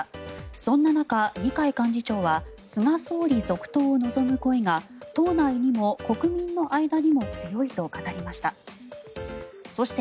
そんな中、二階幹事長は菅総理続投を望む声が党内にも国民の間にも強いと語りました。